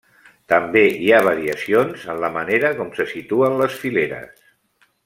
També hi ha variacions en la manera com se situen les fileres.